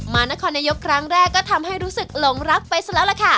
นครนายกครั้งแรกก็ทำให้รู้สึกหลงรักไปซะแล้วล่ะค่ะ